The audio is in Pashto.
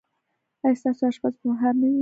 ایا ستاسو اشپز به ماهر نه وي؟